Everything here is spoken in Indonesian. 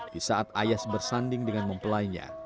di saat ayas bersanding dengan mempelainya